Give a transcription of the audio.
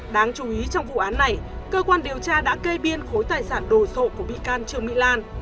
đáng chú ý trong vụ án này cơ quan điều tra đã kê biên khối tài sản đồ sộ của bị can trương mỹ lan